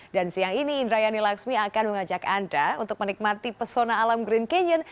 dan siang ini indrayani laksmi akan mengajak anda untuk menikmati pesona alam green canyon